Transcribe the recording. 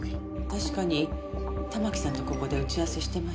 確かに玉木さんとここで打ち合わせしてました。